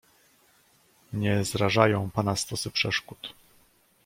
"Nie zrażają pana stosy przeszkód."